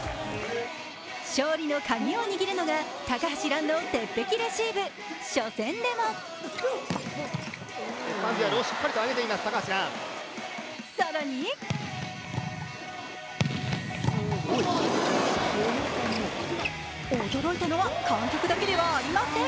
勝利の鍵を握るのが高橋藍の鉄壁レシーブ、初戦でも更に驚いたのは監督だけではありません。